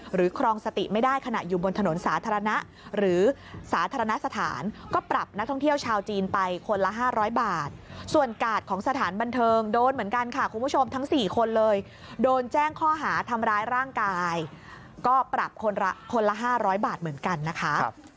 ครองสติไม่ได้ขณะอยู่บนถนนสาธารณะหรือสาธารณสถานก็ปรับนักท่องเที่ยวชาวจีนไปคนละ๕๐๐บาทส่วนกาดของสถานบันเทิงโดนเหมือนกันค่ะคุณผู้ชมทั้ง๔คนเลยโดนแจ้งข้อหาทำร้ายร่างกายก็ปรับคนละ๕๐๐บาทเหมือนกันนะคะ